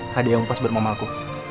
hadiah yang pas buat mamaku